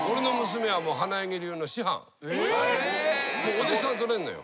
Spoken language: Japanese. お弟子さん取れんのよ。